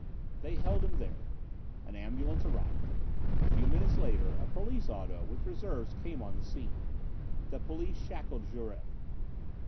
They held him there. An ambulance arrived. A few minutes later a police auto with reserves came on the scene. The police shackled Jouret.